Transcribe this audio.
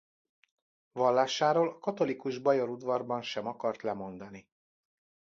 Vallásáról a katolikus bajor udvarban sem akart lemondani.